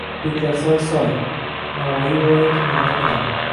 Beklarsoy - soy, Navoiy viloyati Nurota tumani.